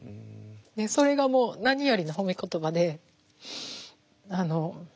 それがもう何よりの褒め言葉で。